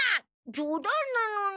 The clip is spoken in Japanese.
じょうだんなのに。